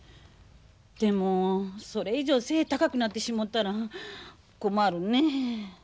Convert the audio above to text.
でもそれ以上背高くなってしもうたら困るね。